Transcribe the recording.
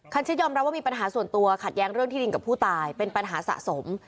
ชิดยอมรับว่ามีปัญหาส่วนตัวขัดแย้งเรื่องที่ดินกับผู้ตายเป็นปัญหาสะสม